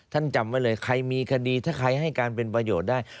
จำไว้เลยใครมีคดีถ้าใครให้การเป็นประโยชน์ได้